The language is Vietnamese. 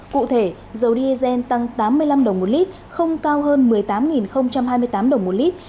cụ thể dầu diesel tăng tám mươi năm đồng một lít không cao hơn một mươi tám hai mươi tám đồng một lít